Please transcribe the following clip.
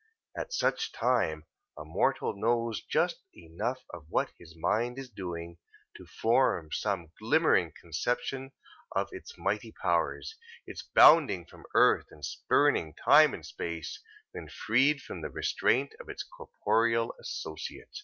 At such time, a mortal knows just enough of what his mind is doing, to form some glimmering conception of its mighty powers, its bounding from earth and spurning time and space, when freed from the restraint of its corporeal associate.